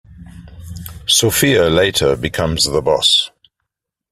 Sophia later becomes the boss.